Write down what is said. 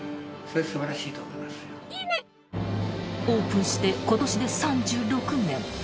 ［オープンしてことしで３６年］